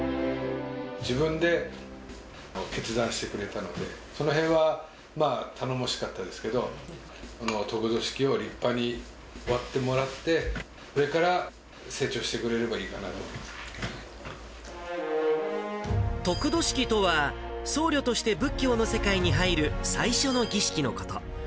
自分で決断してくれたので、そのへんは頼もしかったですけど、得度式を立派に終わってもらって、それから成長してくれればいいか得度式とは、僧侶として仏教の世界に入る最初の儀式のこと。